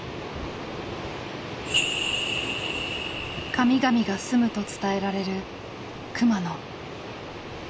神々がすむと伝えられる熊野。